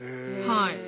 はい。